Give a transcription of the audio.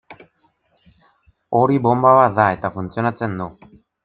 Hori bonba bat da, eta funtzionatzen du.